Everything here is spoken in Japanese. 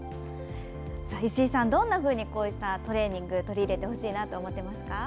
石井さんどんなふうにこのトレーニングを取り入れてほしいと思いますか？